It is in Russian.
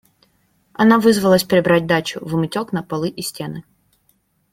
Она вызвалась прибрать дачу, вымыть окна, полы и стены.